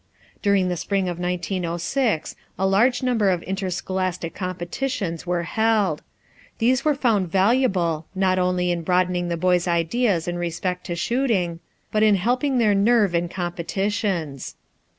During the spring of 1906 a large number of interscholastic competitions were held. These were found valuable, not only in broadening the boys' ideas in respect to shooting, but in helping their nerve in competitions.